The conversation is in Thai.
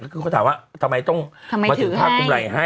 แล้วก็คือเขาถามว่าทำไมต้องมาถือภาคกุมไหล่ให้